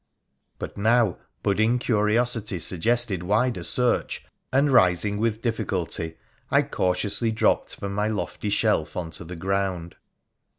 But now budding curiosity suggested wider search, and, rising with difficulty, I cautiously dropped from my lofty shelf on to the ground.